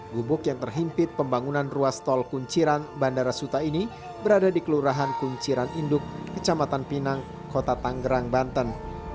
gubuk yang terhimpit pembangunan ruas tol kunciran bandara suta ini berada di kelurahan kunciran induk kecamatan pinang kota tanggerang banten